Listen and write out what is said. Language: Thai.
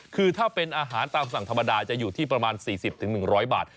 คือถ้าเป็นอาหารตามสั่งธรรมดาจะอยู่ที่ประมาณ๔๐๑๐๐บาท